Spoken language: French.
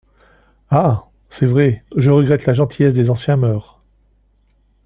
Ah ! c’est vrai, je regrette la gentillesse des anciennes mœurs.